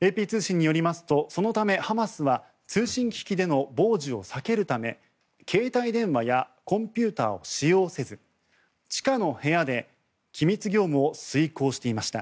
ＡＰ通信によりますとそのため、ハマスは通信機器での傍受を避けるため携帯電話やコンピューターを使用せず地下の部屋で機密業務を遂行していました。